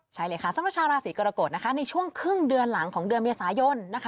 ใช่เลยค่ะสำหรับชาวราศีกรกฎในช่วงครึ่งเดือนหลังของเดือนเมษายน